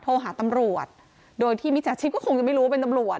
โทรหาตำรวจโดยที่มิจฉาชีพก็คงจะไม่รู้ว่าเป็นตำรวจ